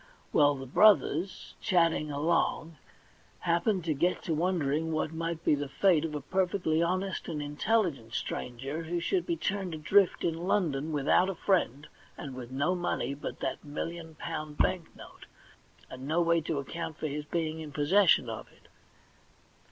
Well, the brothers, chatting along, happened to get to w^ondering what might be the fate of a perfectly honest and intelligent stranger who should be turned adrift in London without a friend, and with no money but that million pound bank note, and no way to account for his being in possession of it.